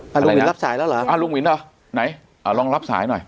ลุงวินรับสายแล้วเหรออ่าลุงวินเหรอไหนอ่าลองรับสายหน่อย